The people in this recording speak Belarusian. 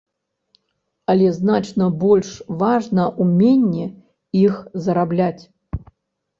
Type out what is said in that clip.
Але значна больш важна ўменне іх зарабляць.